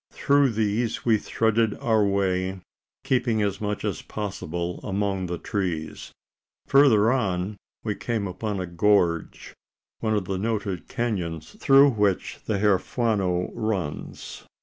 Through these we threaded our way keeping as much as possible among the trees. Further on, we came upon a gorge one of the noted canons through which the Huerfano runs.